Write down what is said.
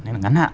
hay là ngắn hạn